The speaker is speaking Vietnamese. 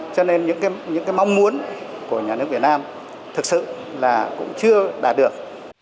cho nên những cái mong muốn của nhà nước việt nam thực sự là cũng chưa đạt được